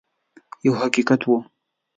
یو حقیقت وو.